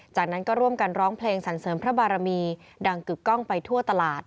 จากนั้นก็ร่วมกันร้องเพลงสรรเสริมพระบารมีดังกึกกล้องไปทั่วตลาด